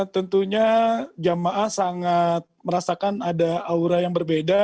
tentunya jamaah sangat merasakan ada aura yang berbeda